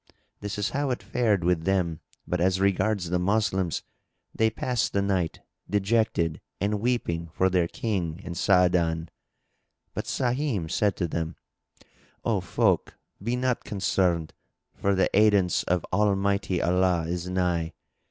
This is how it fared with them; but as regards the Moslems, they passed the night, dejected and weeping for their King and Sa'adan; but Sahim said to them, "O folk, be not concerned, for the aidance of Almighty Allah is nigh."